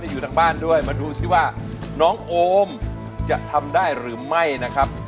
อยู่ทางบ้านด้วยมาดูซิว่าน้องโอมจะทำได้หรือไม่นะครับ